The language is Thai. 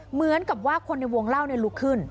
เหมือนกับว่าคนในวงเล่าลุกขึ้น